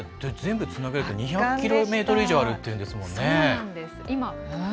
全部つなげると２００ｋｍ以上あるっていうんですもんね。